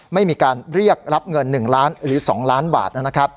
ไม่มีการเรียกรับเงิน๑ล้านหรือ๒ล้านบาท